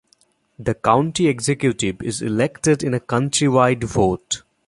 The county executive is elected in a countywide vote.